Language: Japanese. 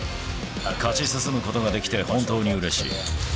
勝ち進むことができて本当にうれ